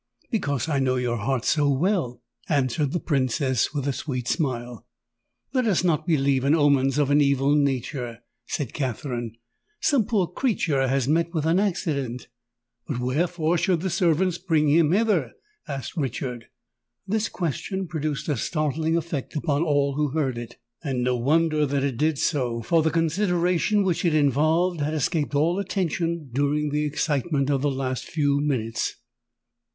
"Because I know your heart so well," answered the Princess, with a sweet smile. "Let us not believe in omens of an evil nature," said Katherine. "Some poor creature has met with an accident——" "But wherefore should the servants bring him hither?" asked Richard. This question produced a startling effect upon all who heard it: and no wonder that it did so—for the consideration which it involved had escaped all attention during the excitement of the last few minutes.